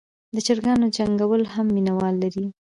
د چرګانو جنګول هم مینه وال لري.